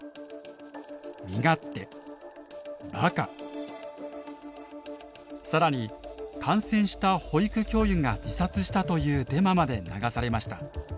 職員としての更に感染した保育教諭が自殺したというデマまで流されました。